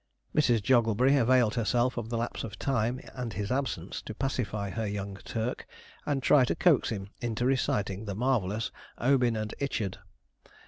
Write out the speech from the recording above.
Mrs. Jogglebury availed herself of the lapse of time, and his absence, to pacify her young Turk, and try to coax him into reciting the marvellous 'Obin and Ichard.'